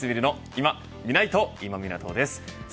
いまみないと今湊です。